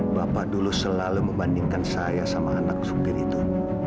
bapak dulu selalu membandingkan saya sama anak supir itu